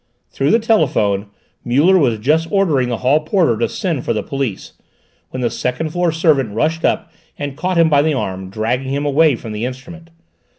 Through the telephone, Muller was just ordering the hall porter to send for the police, when the second floor servant rushed up and caught him by the arm, dragging him away from the instrument.